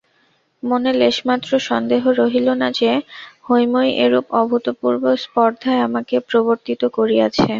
মনে লেশমাত্র সন্দেহ রহিল না যে, হৈমই এরূপ অভূতপূর্ব স্পর্ধায় আমাকে প্রবর্তিত করিয়াছে।